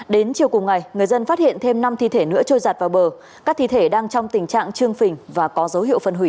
đến chiều cùng ngày người dân phát hiện thêm năm thi thể nữa trôi giặt vào bờ các thi thể đang trong tình trạng trương phình và có dấu hiệu phân hủy